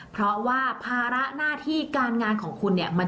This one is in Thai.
เพราะว่าภาระหน้าที่การงานของคุณเนี่ย